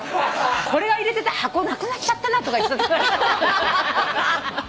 「これを入れてた箱なくなっちゃったな」とか。